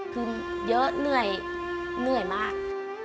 คือเยอะเหนื่อยเหนื่อยมาก